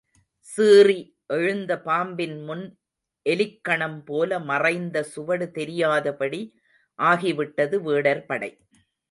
சீறி எழுந்த பாம்பின் முன் எலிக்கணம்போல மறைந்த சுவடு தெரியாதபடி ஆகி விட்டது வேடர் படை.